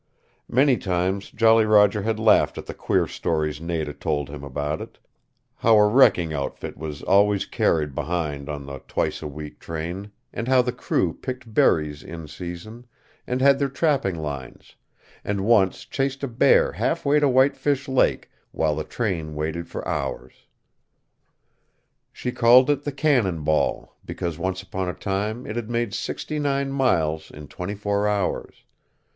Many times Jolly Roger had laughed at the queer stories Nada told him about it; how a wrecking outfit was always carried behind on the twice a week train, and how the crew picked berries in season, and had their trapping lines, and once chased a bear half way to Whitefish Lake while the train waited for hours. She called it the "Cannon Ball," because once upon a time it had made sixty nine miles in twenty four hours.